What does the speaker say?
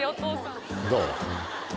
どう？